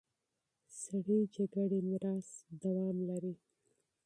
سړې جګړې میراث دوام لري.